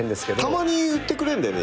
たまに言ってくれんだよね